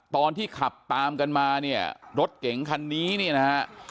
ตอนที่ขับตามกันมาเนี่ยรถเก๋งคันนี้เนี่ยนะฮะ